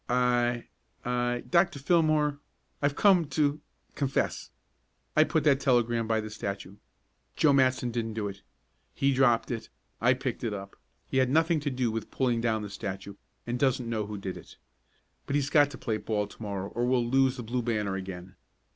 "I I Doctor Fillmore, I've come to confess. I put that telegram by the statue. Joe Matson didn't do it. He dropped it I picked it up. He had nothing to do with pulling down the statue and doesn't know who did it. But he's got to play ball to morrow or we'll lose the Blue Banner again.